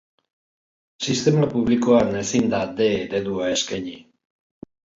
Sistema publikoan ezin da D eredua eskaini.